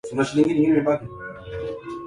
kama njia moja wapo ya kumwekea vikwazo vya kiuchumi